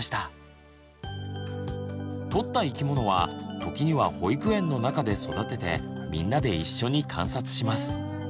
とった生き物は時には保育園の中で育ててみんなで一緒に観察します。